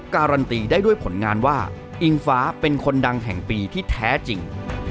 การันตีได้ด้วยผลงานว่าอิงฟ้าเป็นคนดังแห่งปีที่แท้จริง